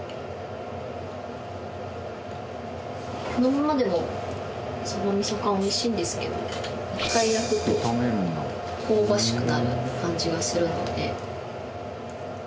このままでもサバ味噌缶おいしいんですけど１回焼くと香ばしくなる感じがするので。